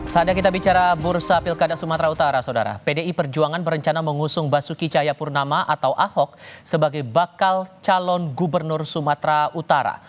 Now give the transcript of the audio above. saatnya kita bicara bursa pilkada sumatera utara saudara pdi perjuangan berencana mengusung basuki cahayapurnama atau ahok sebagai bakal calon gubernur sumatera utara